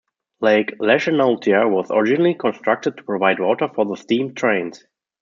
Lake Leschenaultia was originally constructed to provide water for the steam trains.